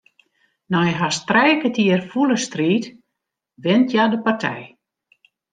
Nei hast trije kertier fûle striid wint hja de partij.